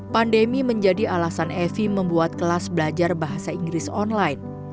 pandemi menjadi alasan evi membuat kelas belajar bahasa inggris online